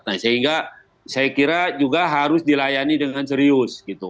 nah sehingga saya kira juga harus dilayani dengan serius gitu